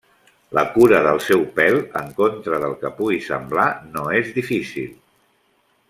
La cura del seu pèl, en contra del que pugui semblar, no és difícil.